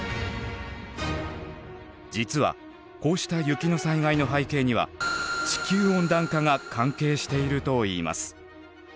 実はこうした雪の災害の背景には地球温暖化が関係しているといいます。